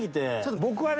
僕はね